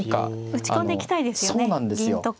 打ち込んでいきたいですよね。